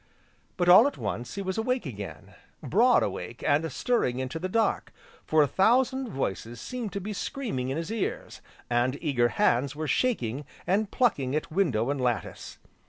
But, all at once, he was awake again, broad awake, and staring into the dark, for a thousand voices seemed to be screaming in his ears, and eager hands were shaking, and plucking at window and lattice.